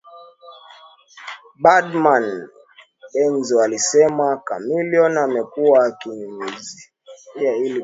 Badman Denzo alisema Chameleone amekuwa akinyunyiza ili kufanikisha malengo yake kimuziki Nyota huyo